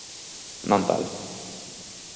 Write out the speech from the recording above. Non tal.